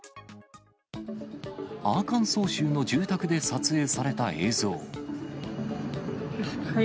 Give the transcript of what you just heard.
アーカンソー州の住宅で撮影された映像。